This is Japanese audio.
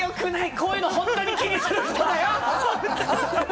こういうの本当に気にする人！